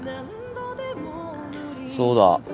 そうだ。